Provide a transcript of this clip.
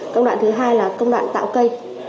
công đoạn thứ hai là công đoạn tạo cây